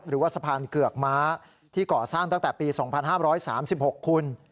หรือว่าสะพานเกือกม้าที่ก่อสร้างตั้งแต่ปี๒๕๓๖คุณ